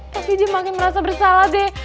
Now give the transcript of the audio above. tapi dia makin merasa bersalah deh